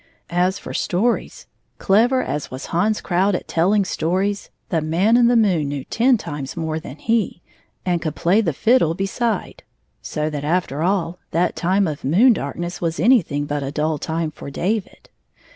As for stories — clever as was Hans Krout at telling stories, the Man in the moon knew ten times more than he, and could play the fiddle beside, so that, after all, that time of moon dai'k ness was anything but a dull tune for David.